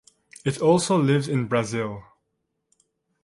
It also lives in Brazil.